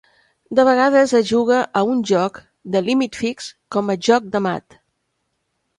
De vegades es juga a un joc de límit fix com a joc de mat.